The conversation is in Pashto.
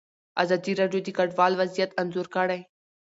ازادي راډیو د کډوال وضعیت انځور کړی.